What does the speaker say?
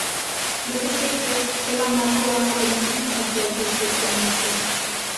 Dese xeito, quedan na rúa e comezan a se autoxestionarse.